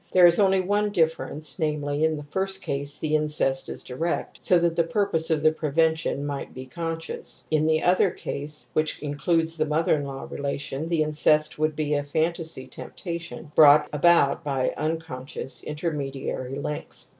There is only one difference, namely, in the first case the incest is direct, so that the purpose of the prevention might be conscious ; in the other case, which includes the mother in law relation, the incest would be a phantasy temptation brought about by unconscious intermediary links.